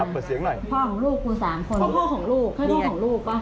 พ่อของลูกกู๓คน